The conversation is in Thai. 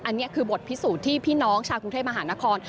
อันนี้คือบทพิสูจน์ที่พี่น้องชาวกรุงเทพมหานคร